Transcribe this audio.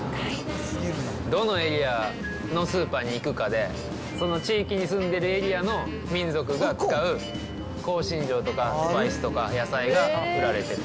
どのエリアのスーパーに行くかで、その地域に住んでいるエリアの民族が使う香辛料とか、スパイスとか、野菜が売られてる。